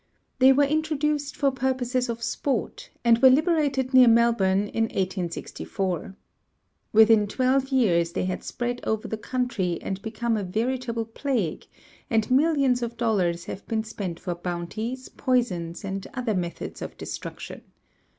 They were introduced for purposes of sport, and were liberated near Melbourne in 1864. Within twelve years they had spread over the country and become a veritable plague, and millions of dollars have been spent for bounties, poisons, and other methods of destruction.